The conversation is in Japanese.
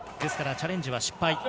チャレンジは失敗。